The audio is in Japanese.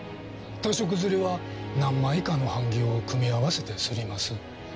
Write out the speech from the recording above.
多色摺りは何枚かの版木を組み合わせて摺ります。